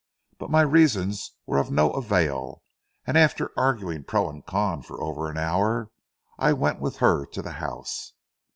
But my reasons were of no avail, and after arguing pro and con for over an hour, I went with her to the house.